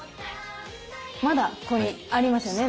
まだここにありますよね